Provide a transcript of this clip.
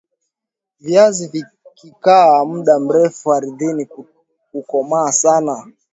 viazi vikikaa mda mrefu ardhini kukomaa sana